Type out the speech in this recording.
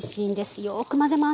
よく混ぜます。